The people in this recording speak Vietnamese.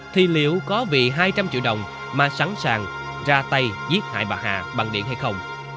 thì liệu có vì hai trăm linh triệu đồng mà sẵn sàng ra tay giết hại bà hà bằng điện hay không